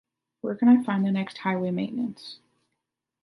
Where can I find the next highway maintenance?